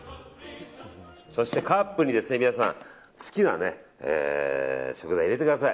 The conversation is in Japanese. そしてカップに皆さん、好きな食材を入れてください。